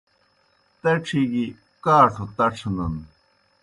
تڇھیْ گیْ کاٹھوْ تڇھنَن۔